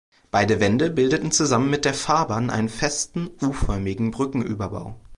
Beide “Wände” bildeten zusammen mit der Fahrbahn einen festen U-förmigen Brückenüberbau.